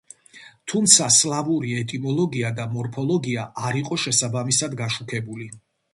თუმცა სლავური ეტიმოლოგია და მორფოლოგია არ იყო შესაბამისად გაშუქებული.